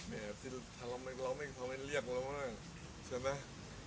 เราไม่ทำให้เรียกเราเมื่อใช่ไหม